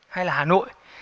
hay là hà nội